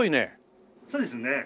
そうですね。